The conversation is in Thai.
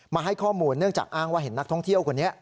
ให้ข้อมูลเนื่องจากอ้างว่าเห็นนักท่องเที่ยวคนนี้